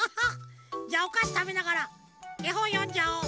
じゃおかしたべながらえほんよんじゃおう！